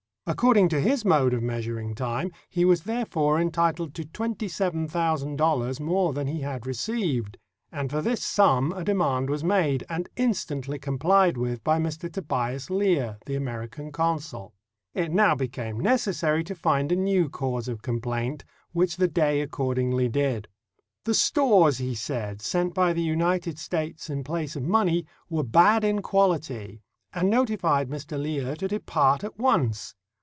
According to his mode of measuring time, he was therefore entitled to twenty seven thousand dollars more than he had received, and for this sum a demand was made, and instantly complied with by Mr. Tobias Lear, the American consul. It now became necessary to find a new cause of complaint, which the Dey accord ingly did. The stores, he said, sent by the United States in place of money were bad in quality, and notified Mr. Lear to depart at once.